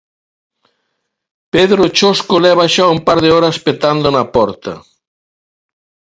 Pedro Chosco leva xa un par de horas petando na porta.